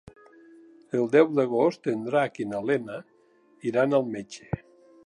El deu d'agost en Drac i na Lena iran al metge.